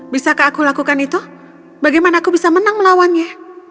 bisakah aku lakukan itu bagaimana aku bisa menang melawannya